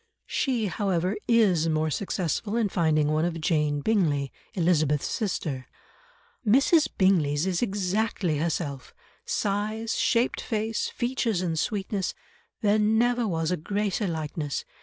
She, however, is more successful in finding one of Jane Bingley, Elizabeth's sister, "Mrs. Bingley's is exactly herself—size, shaped face, features and sweetness; there never was a greater likeness.